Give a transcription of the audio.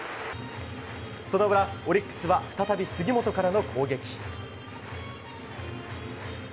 その裏、オリックスは再び杉本からの攻撃。